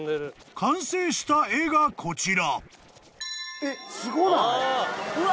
［完成した絵がこちら］